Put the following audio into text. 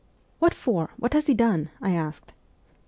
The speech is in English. ' What for ? What has he done? ' I asked.